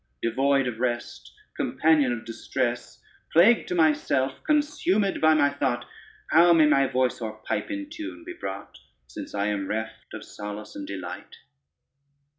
Devoid of rest, companion of distress, Plague to myself, consumèd by my thought, How may my voice or pipe in tune be brought, Since I am reft of solace and delight?